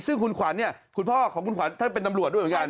ซึ่งคุณขวัญเนี่ยคุณพ่อของคุณขวัญท่านเป็นตำรวจด้วยเหมือนกัน